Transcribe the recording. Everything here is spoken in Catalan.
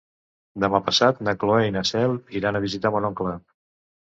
Demà passat na Cloè i na Cel iran a visitar mon oncle.